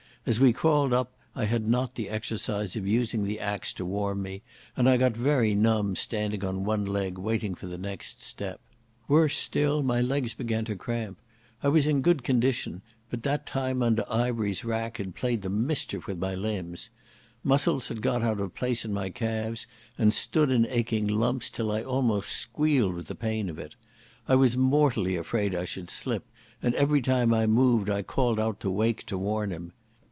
As we crawled up I had not the exercise of using the axe to warm me, and I got very numb standing on one leg waiting for the next step. Worse still, my legs began to cramp. I was in good condition, but that time under Ivery's rack had played the mischief with my limbs. Muscles got out of place in my calves and stood in aching lumps, till I almost squealed with the pain of it. I was mortally afraid I should slip, and every time I moved I called out to Wake to warn him.